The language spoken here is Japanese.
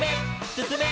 すすめ！